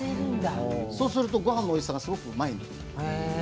そうするとごはんのおいしさがすごく外に出る。